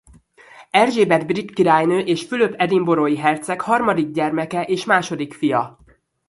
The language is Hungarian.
Erzsébet brit királynő és Fülöp edinburgh-i herceg harmadik gyermeke és második fia.